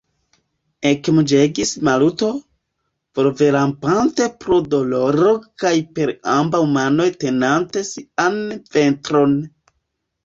ekmuĝegis Maluto, volverampante pro doloro kaj per ambaŭ manoj tenante sian ventron.